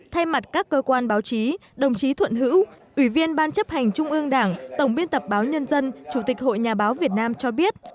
thay mặt các cơ quan báo chí đồng chí thuận hữu ủy viên ban chấp hành trung ương đảng tổng biên tập báo nhân dân chủ tịch hội nhà báo việt nam cho biết